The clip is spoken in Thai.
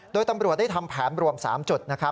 โดยตำรวจได้ทำแผนรวม๓จุด